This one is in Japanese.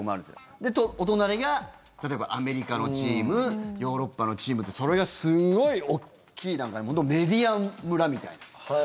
で、お隣が例えばアメリカのチームヨーロッパのチームってそれがすんごい大きい本当にメディア村みたいな。